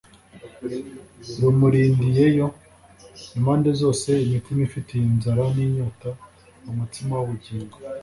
rumurindiriye yo? Impande zose imitima ifitiye inzara n'inyota umutsima w'ubugingo,